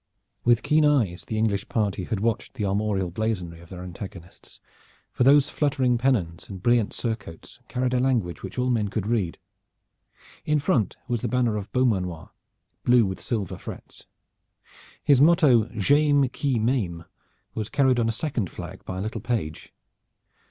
With keen eyes the English party had watched the armorial blazonry of their antagonists, for those fluttering pennons and brilliant surcoats carried a language which all men could read. In front was the banner of Beaumanoir, blue with silver frets. His motto "J'ayme qui m'ayme" was carried on a second flag by a little page.